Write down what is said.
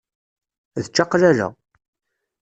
D ččaqlala.